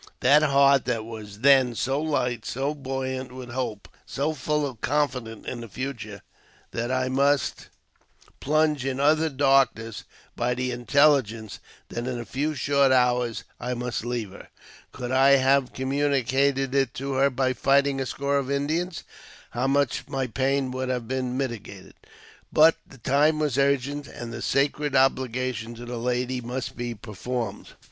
That heart that was then so light, so buoyant with hope, so full of confidence in the future, that I must plunge in utter darkness by the intelligence that in a few short hours I must leave her ! Could I have communicated it to her by fighting a score of Indians, how much my pain would have been mitigated ! But time was urgent, and the sacred obligation to the lady must be performed.